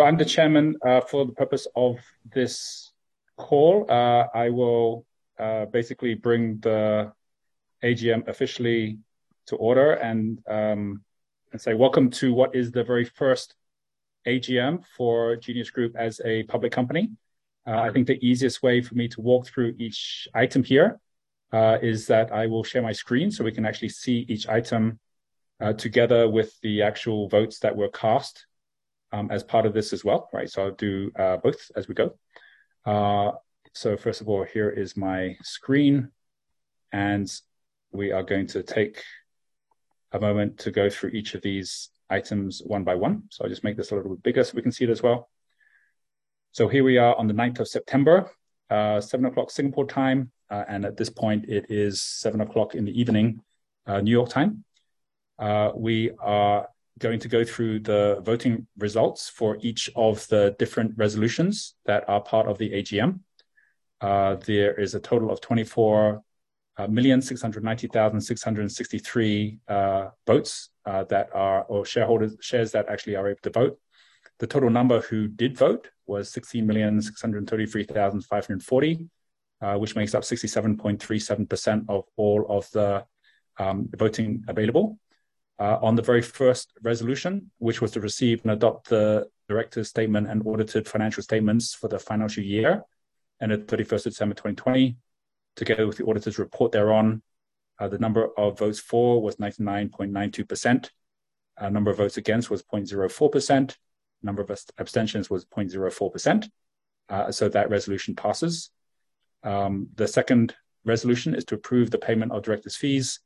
I'm the Chairman for the purpose of this call. I will basically bring the AGM officially to order, and say welcome to what is the very first AGM for Genius Group as a public company. I think the easiest way for me to walk through each item here is that I will share my screen so we can actually see each item together with the actual votes that were cast as part of this as well. Right. I'll do both as we go. First of all, here is my screen, and we are going to take a moment to go through each of these items one by one. I'll just make this a little bit bigger, so we can see it as well. Here we are on the 9th of September, 7:00 Singapore time. At this point it is 7:00 P.M. New York time. We are going to go through the voting results for each of the different resolutions that are part of the AGM. There is a total of 24,690,663 votes or shareholders shares that actually are able to vote. The total number who did vote was 16,633,540, which makes up 67.37% of all of the voting available. On the very first resolution, which was to receive and adopt the directors' statement and audited financial statements for the financial year ended 31st of December 2020, together with the auditor's report thereon, the number of votes for was 99.92%. Number of votes against was 0.04%. Number of abstentions was 0.04%. So that resolution passes. The second resolution is to approve the payment of directors' fees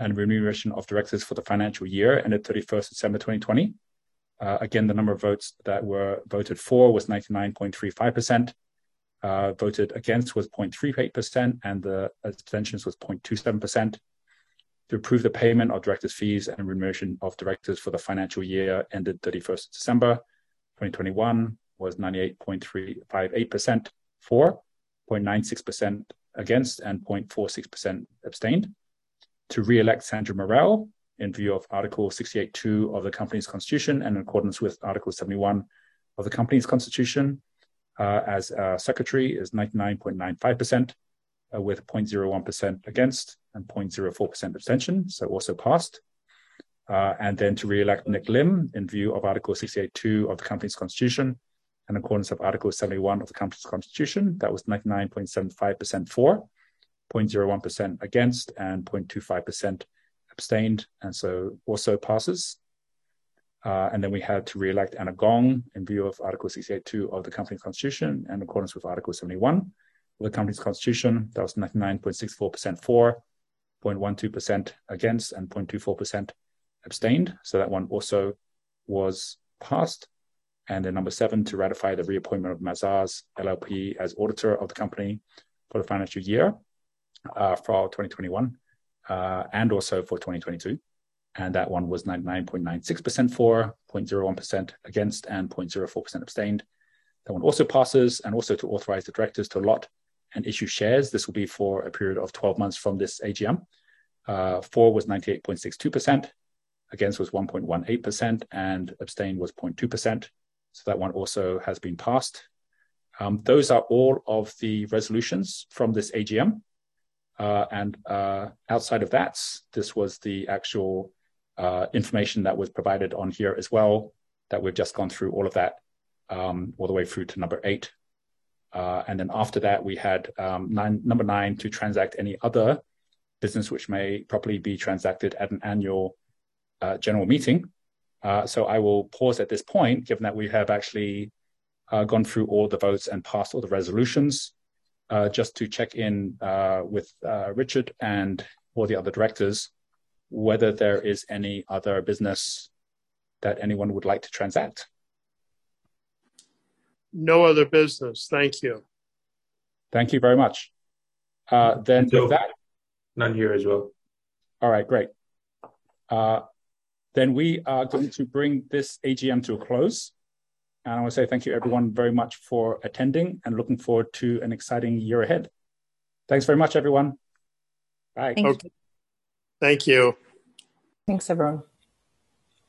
and remuneration of directors for the financial year ended 31st of December 2020. Again, the number of votes that were voted for was 99.35%, voted against was 0.38%, and the abstentions was 0.27%. To approve the payment of directors' fees and remuneration of directors for the financial year ended 31st December 2021 was 98.358% for, 0.96% against, and 0.46% abstained. To re-elect Sandra Morrell in view of Article 68(2) of the company's constitution and in accordance with Article 71 of the company's constitution was 99.95%, with 0.01% against and 0.04% abstention. Also passed. To re-elect Nick Lim in view of Article 68(2) of the company's constitution and in accordance with Article 71 of the company's constitution. That was 99.75% for, 0.01% against, and 0.25% abstained, and so also passes. We had to re-elect Anna Gong in view of Article 68(2) of the company's constitution and in accordance with Article 71 of the company's constitution. That was 99.64% for, 0.12% against, and 0.24% abstained. That one also was passed. Number seven, to ratify the reappointment of Mazars LLP as auditor of the company for the financial year for 2021 and also for 2022. That one was 99.96% for, 0.01% against, and 0.04% abstained. That one also passes. To authorize the directors to allot and issue shares. This will be for a period of 12 months from this AGM. For was 98.62%, against was 1.18%, and abstain was 0.2%. That one also has been passed. Those are all of the resolutions from this AGM. Outside of that, this was the actual information that was provided on here as well, that we've just gone through all of that, all the way through to number nine. After that we had number nine, to transact any other business which may properly be transacted at an annual general meeting. I will pause at this point, given that we have actually gone through all the votes and passed all the resolutions, just to check in with Richard and all the other directors, whether there is any other business that anyone would like to transact. No other business. Thank you. Thank you very much. With that. No. None here as well. All right, great. We are going to bring this AGM to a close. I want to say thank you everyone very much for attending and looking forward to an exciting year ahead. Thanks very much, everyone. Bye. Thank you. Thanks, everyone.